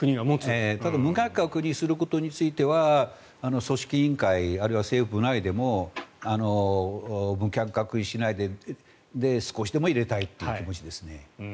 ただ無観客にすることについては組織委員会あるいは政府内でも無観客にしないで少しでも入れたいという気がします。